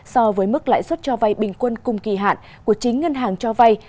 so với mức lãi suất cho vai bình quân cùng kỳ hạn của chính ngân hàng cho vai